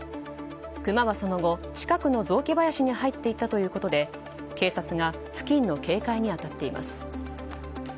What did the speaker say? クマは、その後、近くの雑木林に入っていったということで警察が付近の警戒に当たっています。